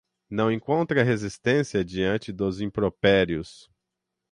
Não encontra resistência diante dos impropérios